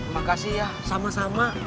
makasih ya sama sama